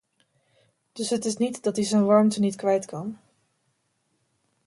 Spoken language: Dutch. Dus het is niet dat ie zijn warmte niet kwijt kan.